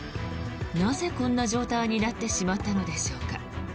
なぜこんな状態になってしまったのでしょうか。